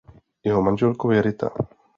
Jeho manželkou je Rita.